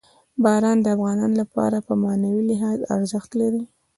باران د افغانانو لپاره په معنوي لحاظ ارزښت لري.